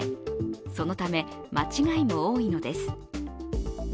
そのため間違いも多いのです。